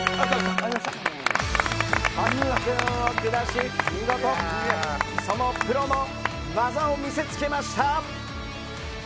パックンを下し、見事そのプロの技を見せつけました！